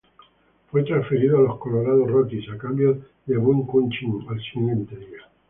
Fue transferido a los Colorado Rockies a cambio de Byung-Hyun Kim el siguiente día.